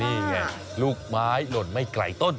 นี่ไงลูกไม้หล่นไม่ไกลต้น